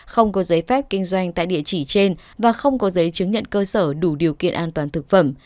không có giấy phép kinh doanh tại địa chỉ trên và không có giấy chứng nhận cơ sở đủ điều kiện an toàn thực phẩm